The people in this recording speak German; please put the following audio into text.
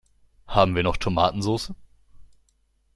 Haben wir noch Tomatensoße?